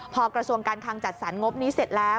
พอกระทรวงการคังจัดสรรงบนี้เสร็จแล้ว